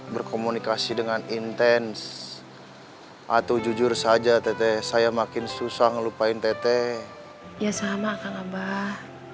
berkomunikasi dengan intens a tu jujur saja tetes saya makin susah ngelupain tt ya sama kak abah